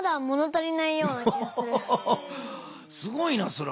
すごいなそら。